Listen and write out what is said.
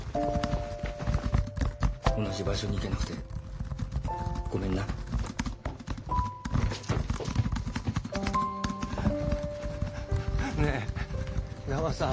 同じ場所に行けなくてごめんなねえガマ